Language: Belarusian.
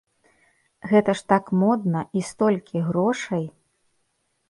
Гэта ж так модна і столькі грошай!